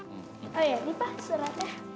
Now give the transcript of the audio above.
oh ya ini pa set apa